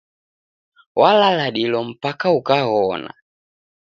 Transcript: Walala dilo mpaka ukaghona.